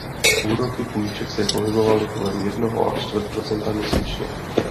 Úroky půjček se pohybovaly kolem jednoho a čtvrt procenta měsíčně.